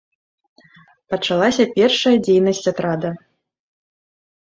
Пачалася першая дзейнасць атрада.